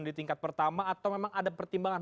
di tingkat pertama atau memang ada pertimbangan